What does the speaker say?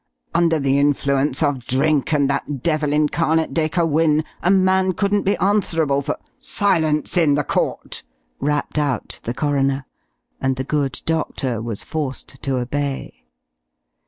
"Under the influence of drink and that devil incarnate, Dacre Wynne, a man couldn't be answerable for " "Silence in the Court!" rapped out the coroner, and the good doctor was forced to obey.